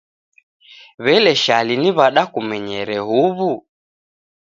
W'ele Shali ni w'ada kumenyere huw'u?